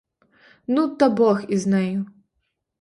Ну, та бог із нею.